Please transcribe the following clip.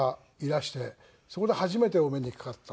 そこで初めてお目にかかった。